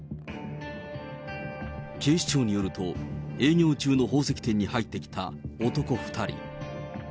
警視庁によると、営業中の宝石店に入ってきた男２人。